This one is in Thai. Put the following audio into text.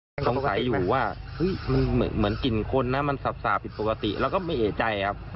ผมต้องถ่ายอยู่ว่าเห้ยกลิ่นคนนะมันสาบผิดปกติเราก็ไม่เอกใจอะ